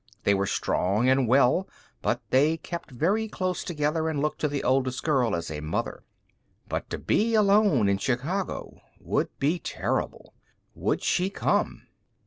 They were strong and well, but they kept very close together and looked to the oldest girl as a mother. But to be alone in Chicago would be terrible! Would she come!